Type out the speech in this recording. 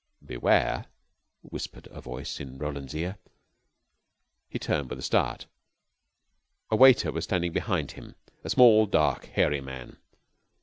"Beware!" whispered a voice in Roland's ear. He turned with a start. A waiter was standing behind him, a small, dark, hairy man.